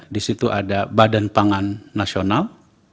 di situ ada badan pangan nasional